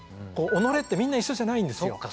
己ってみんな一緒じゃないんですよ。